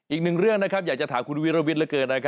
อีกหนึ่งเรื่องนะครับอยากจะถามคุณวิราวิทย์